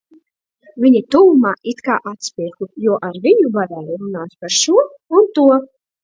Viņa tuvumā it kā atspirgu, jo ar viņu varēju runāt par šo un to.